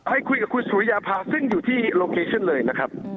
ให้คุยกับคุณสุริยาภาซึ่งอยู่ที่โลเคชั่นเลยนะครับ